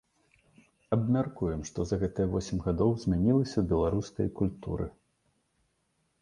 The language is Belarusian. Абмяркуем, што за гэтыя восем гадоў змянілася ў беларускай культуры.